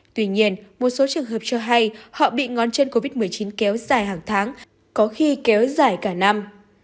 tuy nhiên một số trường hợp cho hay họ bị ngón chân covid một mươi chín kéo dài hàng tháng có khi kéo dài cả năm